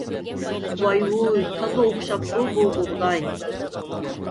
ۋاي-ۋۇي، تازا ئوخشاپتۇ بۇ بۇغداي!